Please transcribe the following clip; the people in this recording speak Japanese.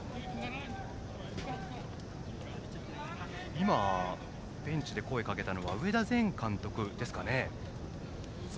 今、ベンチで声をかけたのは上田前監督ですかね。